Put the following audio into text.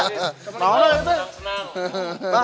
nah mana ya teh